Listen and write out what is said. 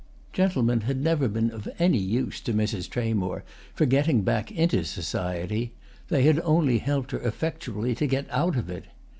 Gentlemen had never been of any use to Mrs. Tramore for getting back into society; they had only helped her effectually to get out of it.